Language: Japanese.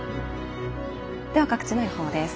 では各地の予報です。